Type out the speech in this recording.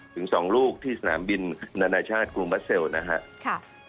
ถึง๒ลูกที่สนามบินนานาชาติกรุงบัสเซลนะครับ